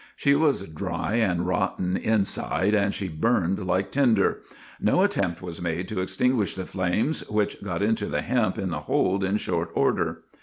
She was dry and rotten inside and she burned like tinder. No attempt was made to extinguish the flames, which got into the hemp in the hold in short order.